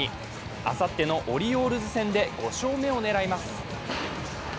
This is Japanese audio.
あさってのオリオールズ戦で５勝目を狙います。